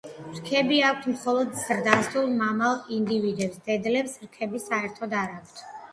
რქები აქვთ მხოლოდ ზრდასრულ მამალ ინდივიდებს, დედლებს რქები საერთოდ არ აქვთ.